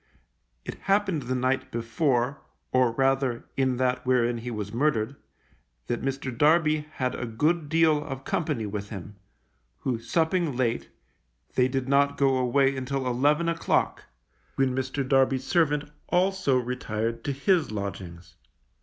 It happened the night before, or rather in that wherein he was murdered, that Mr. Darby had a good deal of company with him, who supping late, they did not go away until eleven o'clock, when Mr. Darby's servant also retired to his lodgings.